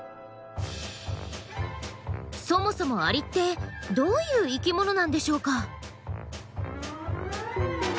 そもそもアリってどういう生きものなんでしょうか？